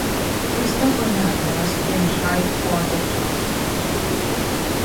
Crystal Bernard was then hired for the part.